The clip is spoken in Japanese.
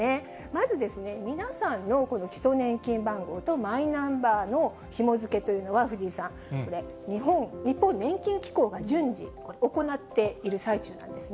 まずですね、皆さんのこの基礎年金番号とマイナンバーのひも付けというのは、藤井さん、これ、日本年金機構が順次、行っている最中なんですね。